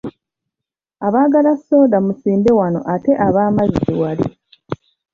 Abaagala soda musimbe wano ate ab’amazzi wali.